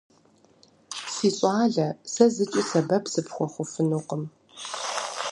Си щӏалэ, сэ зыкӏи сэбэп сыпхуэхъуфынукъым.